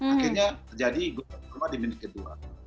akhirnya jadi go go di menit kedua